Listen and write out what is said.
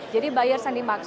jadi buyers yang diperkenalkan